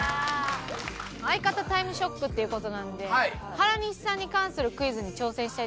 相方タイムショックっていう事なんで原西さんに関するクイズに挑戦していただくんですけれども。